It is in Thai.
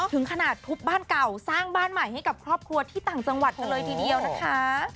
ถึงขนาดทุบบ้านเก่าสร้างบ้านใหม่ให้กับครอบครัวที่ต่างจังหวัดกันเลยทีเดียวนะคะ